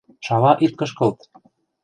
Шала ит кышкылт!